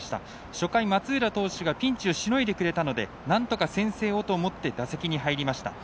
初回、松浦投手がピンチをしのいでくれたのでなんとか先制をと思って打席に入りました。